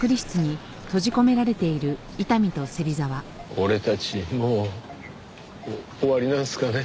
俺たちもうお終わりなんすかね。